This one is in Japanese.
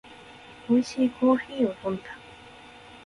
おいしいコーヒーを飲んだ